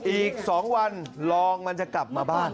อีก๒วันรองมันจะกลับมาบ้าน